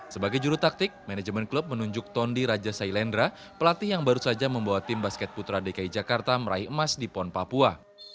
sebagai juru taktik manajemen klub menunjuk tondi raja sailendra pelatih yang baru saja membawa tim basket putra dki jakarta meraih emas di pon papua